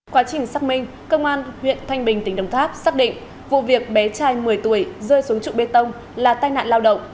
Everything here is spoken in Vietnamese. quá trình xác minh công an tp hcm xác định vụ việc bé trai một mươi tuổi rơi xuống trụ bê tông là tai nạn lao động